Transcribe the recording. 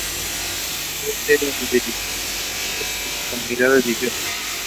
It always seemed like this fluffy way for me to pass the time.